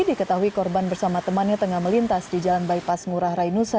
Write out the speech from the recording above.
diketahui korban bersama temannya tengah melintas di jalan bypass ngurah rai nusa